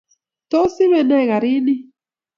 tos? Ibe nee karinii